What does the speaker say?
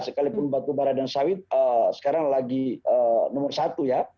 sekalipun batubara dan sawit sekarang lagi nomor satu ya